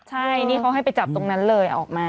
ใช่นี่เขาให้ไปจับตรงนั้นเลยออกมา